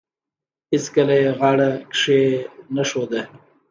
هیڅکله یې غاړه کښېنښوده.